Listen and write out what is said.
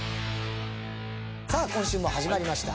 さあ今週も始まりました